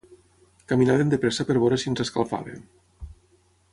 Caminàvem de pressa per veure si ens escalfàvem.